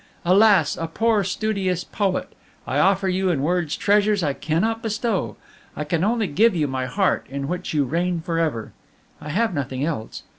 Alas! a poor, studious poet, I offer you in words treasures I cannot bestow; I can only give you my heart, in which you reign for ever. I have nothing else.